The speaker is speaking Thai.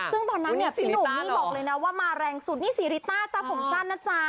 ซึ่งตอนนั้นเนี่ยพี่หนุ่มนี่บอกเลยนะว่ามาแรงสุดนี่ซีริต้าจ๊ะผมสั้นนะจ๊ะ